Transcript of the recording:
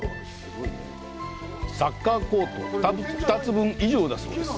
サッカーコート２つ分以上だそうです。